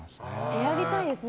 選びたいですね